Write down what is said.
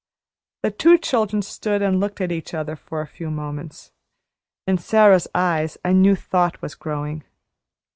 The two children stood and looked at each other a few moments. In Sara's eyes a new thought was growing.